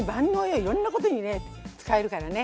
いろんなことにね使えるからね。